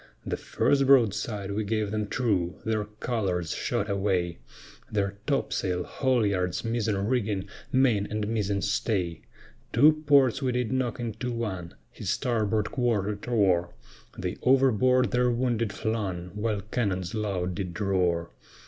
The first broadside we gave them true, their colors shot away, Their topsail, haulyards, mizen rigging, main and mizen stay, Two ports we did knock into one, his starboard quarter tore, They overboard their wounded flung, while cannons loud did roar.